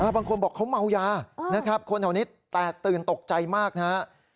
บางคนบอกเขาเมายานะครับคนแถวนี้แตกตื่นตกใจมากนะครับ